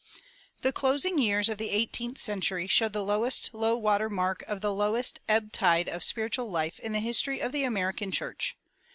The closing years of the eighteenth century show the lowest low water mark of the lowest ebb tide of spiritual life in the history of the American church.